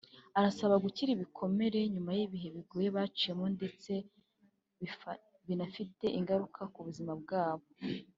arabasaba gukira ibikomere nyuma y’ibihe bigoye baciyemo ndetse binafite ingaruka ku buzima bwabo